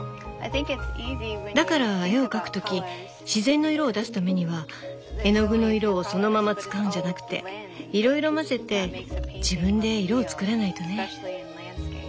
だから絵を描く時自然の色を出すためには絵の具の色をそのまま使うんじゃなくていろいろ混ぜて自分で色を作らないとね。